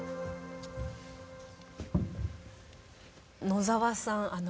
野澤さん